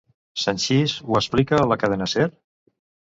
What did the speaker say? Sanchis ho explica a la Cadena Ser?